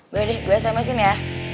baik deh gue samesin ya